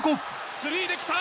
スリーできた！